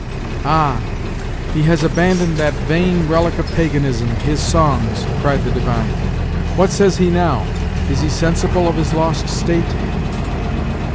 "Ah! he has abandoned that vain relic of paganism, his songs," cried the divine; "what says he now? is he sensible of his lost state?"